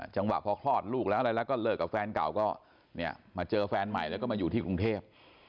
จังหวะพอคลอดลูกแล้วอะไรแล้วก็เลิกกับแฟนเก่าก็เนี่ยมาเจอแฟนใหม่แล้วก็มาอยู่ที่กรุงเทพ